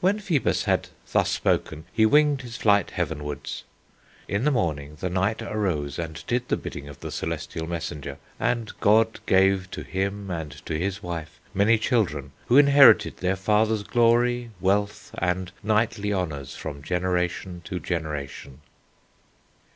When Phoebus had thus spoken, he winged his flight heavenward. In the morning the knight arose and did the bidding of the celestial messenger, and God gave to him and to his wife many children, who inherited their father's glory, wealth, and knightly honours from generation to generation."